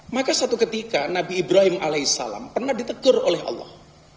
maka satu ketika nabi ibrahim alai salam pernah ditegur oleh allah